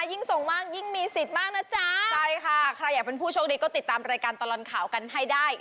ยิ่งส่งมากยิ่งมีสิทธิ์มากนะจ๊ะใช่ค่ะใครอยากเป็นผู้โชคดีก็ติดตามรายการตลอดข่าวกันให้ได้